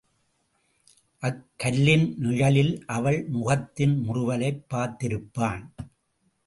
அக்கல்லின் நிழலில் அவள் முகத்தின் முறுவலைப் பார்த்திருப்பான்.